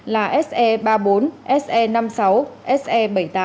là se ba mươi bốn se năm mươi sáu se bảy mươi tám